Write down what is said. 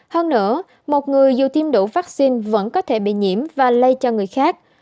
hơn nữa một người dù tiêm đủ vaccine vẫn có thể bị nhiễm và lây cho người khác